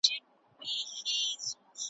چي اوزګړی په کوهي کي را نسکور سو `